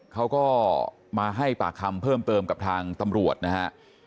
เขาก็มาให้ปากคำเพิ่มเติมกับทางตำรวจนะฮะ